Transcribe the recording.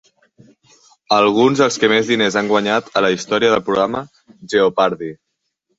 Alguns dels que més diners han guanyat a la història del programa "Jeopardy!"